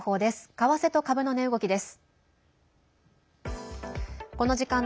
為替と株の値動きです。